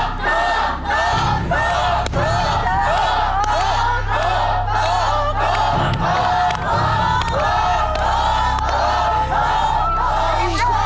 ตัว